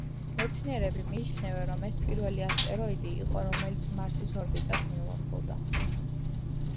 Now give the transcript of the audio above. მეცნიერები მიიჩნევენ, რომ ეს პირველი ასტეროიდი იყო, რომელიც მარსის ორბიტას მიუახლოვდა.